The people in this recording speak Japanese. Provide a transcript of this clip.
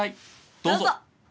どうぞ！